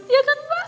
ya kan dara